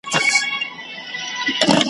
ملنګه ! دا د کومې درواﺯې خواه دې نيولې `